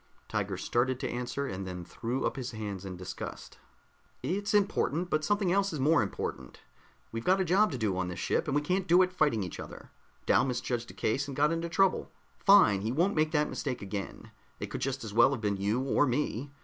Tiger started to answer, and then threw up his hands in disgust. "It's important but something else is more important. We've got a job to do on this ship, and we can't do it fighting each other. Dal misjudged a case and got in trouble. Fine, he won't make that mistake again. It could just as well have been you, or me.